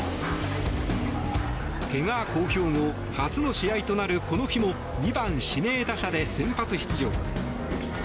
けが公表後初の試合となる、この日も２番指名打者で先発出場。